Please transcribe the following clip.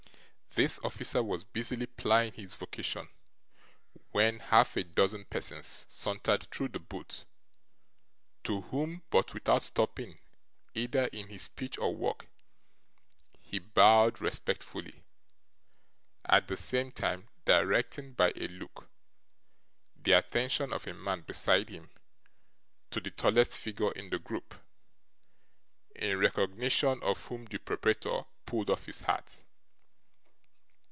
This officer was busily plying his vocation when half a dozen persons sauntered through the booth, to whom, but without stopping either in his speech or work, he bowed respectfully; at the same time directing, by a look, the attention of a man beside him to the tallest figure in the group, in recognition of whom the proprietor pulled off his hat.